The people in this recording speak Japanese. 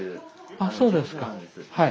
あそうですかはい。